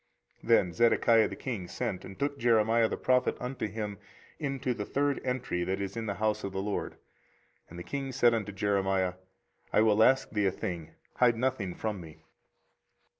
24:038:014 Then Zedekiah the king sent, and took Jeremiah the prophet unto him into the third entry that is in the house of the LORD: and the king said unto Jeremiah, I will ask thee a thing; hide nothing from me.